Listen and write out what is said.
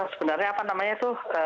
sebenarnya apa namanya itu